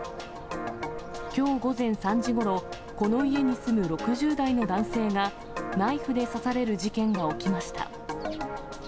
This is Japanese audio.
きょう午前３時ごろ、この家に住む６０代の男性がナイフで刺される事件が起きました。